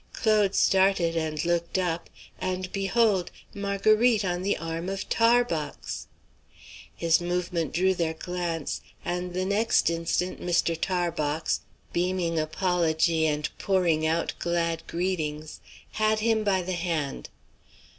Claude started and looked up, and behold, Marguerite on the arm of Tarbox! His movement drew their glance, and the next instant Mr. Tarbox, beaming apology and pouring out glad greetings, had him by the hand.